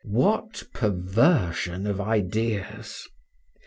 What perversion of ideas!